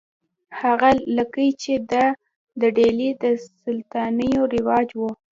هغه لیکي چې دا د ډیلي د سلاطینو رواج و.